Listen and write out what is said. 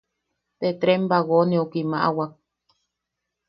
Te tren bagoneu kimaʼawak.